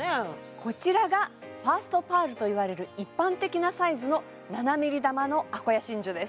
こちらがファーストパールといわれる一般的なサイズの７ｍｍ珠のあこや真珠です